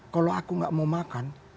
kalau aku nggak mau makan